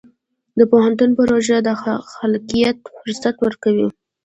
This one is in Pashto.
د پوهنتون پروژه د خلاقیت فرصت ورکوي.